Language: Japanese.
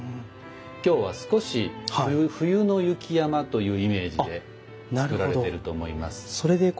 今日は少し冬の雪山というイメージで作られていると思います。